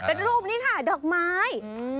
เป็นรูปนี้ค่ะดอกไม้